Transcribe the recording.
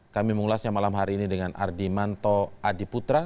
kami mengulasnya malam hari ini dengan ardi manto adiputra